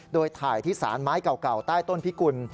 โดยถ่ายที่สารไม้เก่าใต้ต้นพิกุล